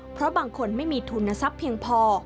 เพราะบางคนไม่มีทุนทรัพย์เพียงพอ